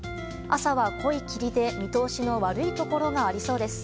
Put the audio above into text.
朝は濃い霧で見通しの悪いところがありそうです。